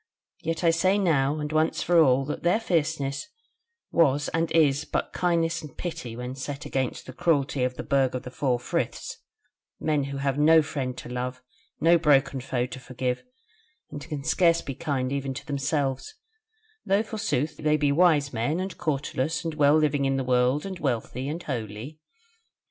Yet I say now and once for all that their fierceness was and is but kindness and pity when set against the cruelty of the Burg of the Four Friths; men who have no friend to love, no broken foe to forgive, and can scarce be kind even to themselves: though forsooth they be wise men and cautelous and well living before the world, and wealthy and holy."